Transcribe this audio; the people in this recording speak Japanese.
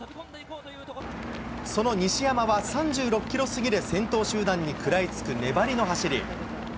その西山は３６キロ過ぎで先頭集団に食らいつく粘りの走り。